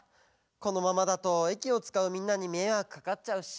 このままだと駅をつかうみんなにめいわくかかっちゃうし。